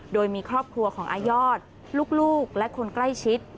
โดยมีครอบครัวของอายอดลูกและคนใกล้ชิด